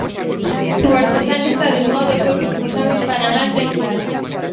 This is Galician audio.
O artesán está de moda e os seus responsábeis falan alto e claro.